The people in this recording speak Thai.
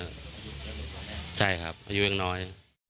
สหายก็ใช่ครับอายุน้อย